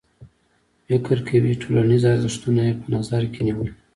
فکر کوي ټولنیز ارزښتونه یې په نظر کې نیولي.